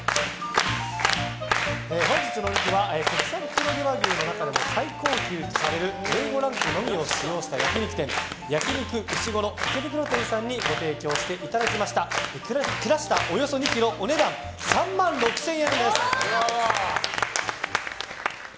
本日のお肉は国産黒毛和牛の中でも最高級とされるＡ５ランクのみを使用した焼き肉店焼肉うしごろ池袋店さんにご提供していただいたクラシタ、およそ２ｋｇお値段３万６０００円です。